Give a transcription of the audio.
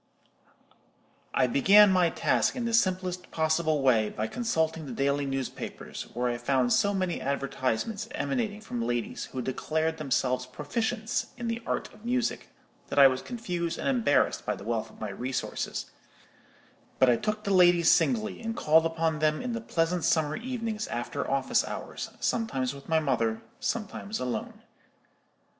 "I began my task in the simplest possible way by consulting the daily newspapers, where I found so many advertisements emanating from ladies who declared themselves proficients in the art of music, that I was confused and embarrassed by the wealth of my resources: but I took the ladies singly, and called upon them in the pleasant summer evenings after office hours, sometimes with my mother, sometimes alone.